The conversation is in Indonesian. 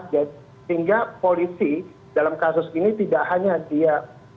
sehingga polisi dalam kasus ini tidak hanya dia